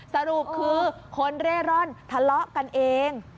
สรุปคือคนเร่ร่อนทะเลาะกันเอง